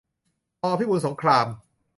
ป. พิบูลสงคราม